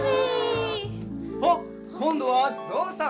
こんどはぞうさん！